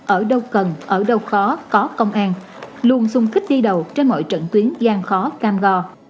ở đâu cần ở đâu khó có công an luôn sung kích đi đầu trên mọi trận tuyến gian khó cam go